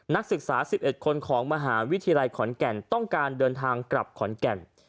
นักศึกษา๑๑คนของมหาวิทยาลัยขอนแก่นต้องการเดินทางกลับขอนแก่น